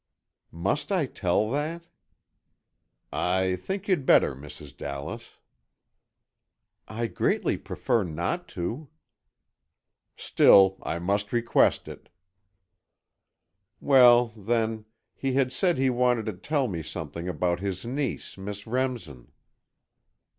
"Must I tell that?" "I think you'd better, Mrs. Dallas." "I greatly prefer not to." "Still I must request it." "Well, then, he had said he wanted to tell me something about his niece, Miss Remsen."